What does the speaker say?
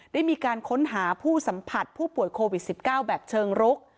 ได้มีการค้นหาผู้สัมผัสผู้ป่วยโควิด๑๙แบบเชิงรุก